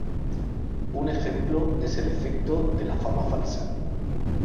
Un ejemplo es el efecto de la fama falsa.